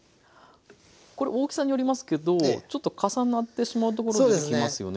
これ大きさによりますけどちょっと重なってしまうところ出てきますよね。